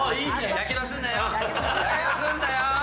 やけどすんなよ！